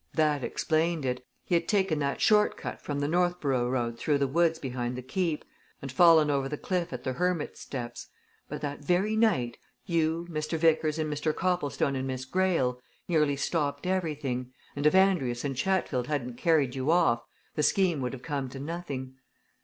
That explained it he had taken that short cut from the Northborough road through the woods behind the Keep, and fallen over the cliff at the Hermit's steps. But that very night, you, Mr. Vickers, and Mr. Copplestone and Miss Greyle, nearly stopped everything, and if Andrius and Chatfield hadn't carried you off, the scheme would have come to nothing.